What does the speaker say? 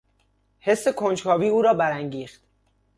حس کنجکاوی او را برانگیخت.